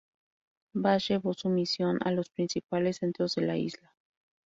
Vaz llevó su misión a los principales centros de la isla.